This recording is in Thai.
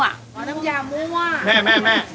อ๋อน้ำยามัว